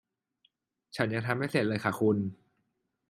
ฉันยังทำไม่เสร็จเลยค่ะคุณ